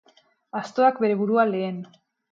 Astoak bere burua lehen